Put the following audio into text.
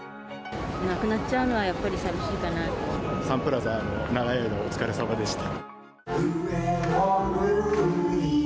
なくなっちゃうのはやっぱりサンプラザ、長い間、お疲れさまでした。